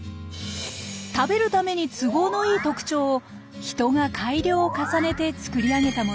食べるために都合のいい特徴を人が改良を重ねて作り上げたものです。